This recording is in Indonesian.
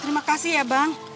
terima kasih ya bang